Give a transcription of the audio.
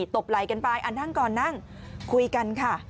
ตบไหลกันไปนั่งก่อนคุยกันค่ะ